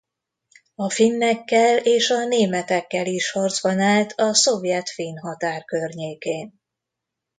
A finnekkel és a németekkel is harcban állt a szovjet–finn határ környékén.